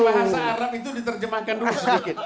bahasa arab itu diterjemahkan dulu sedikit